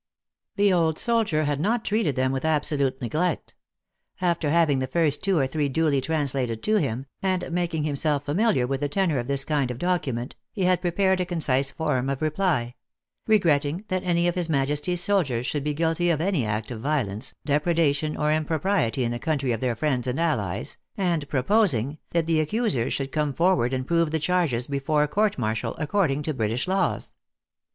The old soldier had not treated them with absolute neglect. After having the first two or three duly translated to him, and making himself familiar with the tenor of this kind of document, he had prepared a concise form of reply : regretting that any of his Majesty s soldiers should be guilty of any act of vio lence, depredation or impropriety in the country of their friends and allies, and proposing that the accu sers should come forward and prove the charges be fore a court martial, according to British laws.